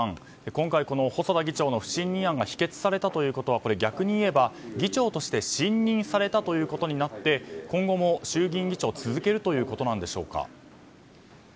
今回、細田議長の不信任案が否決されたということは逆に言えば議長として信任されたということになって今後も衆議院議長を続けるということでしょうか。